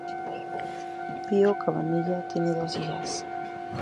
Pío Cabanillas tiene dos hijas.